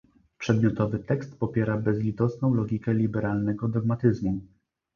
Przedmiotowy tekst popiera bezlitosną logikę liberalnego dogmatyzmu